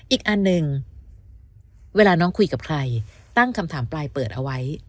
อีกอันหนึ่งเวลาน้องคุยกับใครตั้งคำถามปลายเปิดเอาไว้